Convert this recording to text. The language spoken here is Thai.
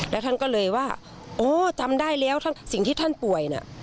แล้วท่านก็เลยว่าโอ้จำได้แล้วสิ่งที่ท่านป่วยน่ะ